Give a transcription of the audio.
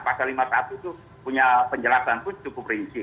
pasal lima puluh satu itu punya penjelasan pun cukup rinci